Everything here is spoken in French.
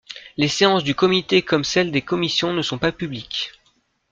Les séances du Comité comme celles des commissions ne sont pas publiques.